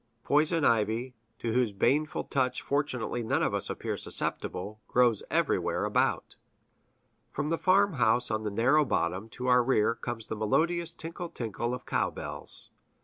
Poison ivy, to whose baneful touch fortunately none of us appear susceptible, grows everywhere about. From the farmhouse on the narrow bottom to our rear comes the melodious tinkle tinkle of cow bells.